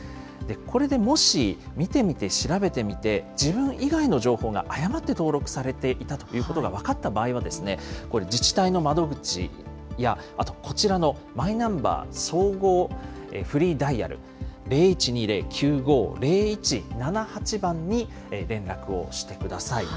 これでもし、見てみて調べてみて、自分以外の情報が誤って登録されていたということが分かった場合はですね、これ、自治体の窓口や、あとこちらのマイナンバー総合フリーダイヤル、０１２０ー９５ー０１７８番に連絡をしてください。